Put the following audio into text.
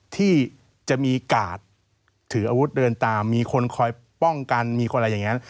ที่จะมีกาดถืออาวุธเดินตามมีคนคอยป้องกันมีคนอะไรอย่างนั้น